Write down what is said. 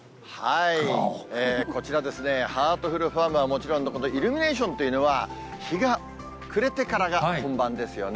こちらですね、ハートフルファームはもちろんのこと、イルミネーションというのは、日が暮れてからが本番ですよね。